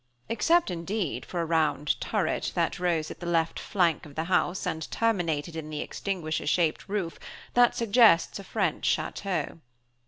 Except, indeed, for a round turret, that rose at the left flank of the house, and terminated in the extinguisher shaped roof that suggests a French château.